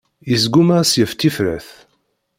Yesguma ad s-yaf tifrat.